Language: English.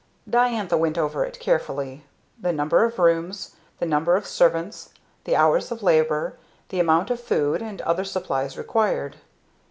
Diantha went over it carefully; the number of rooms, the number of servants, the hours of labor, the amount of food and other supplies required.